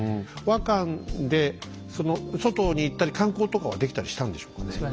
倭館でその外に行ったり観光とかはできたりしたんでしょうかね？